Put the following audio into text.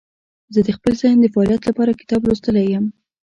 زه د خپل ذهن د فعالیت لپاره کتاب لوستلی یم.